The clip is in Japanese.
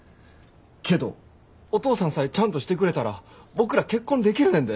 けどお父さんさえちゃんとしてくれたら僕ら結婚できるねんで。